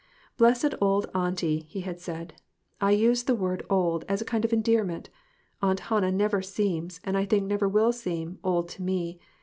"Blessed old Auntie!" he had said; "I use the word old as a kind of endearment ; Aunt Hannah never seems, and I think never will seem, old to me.